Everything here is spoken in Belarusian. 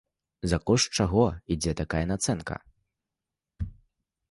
За кошт чаго ідзе такая нацэнка?